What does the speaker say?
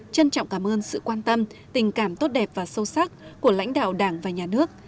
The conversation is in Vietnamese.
trân trọng cảm ơn sự quan tâm tình cảm tốt đẹp và sâu sắc của lãnh đạo đảng và nhà nước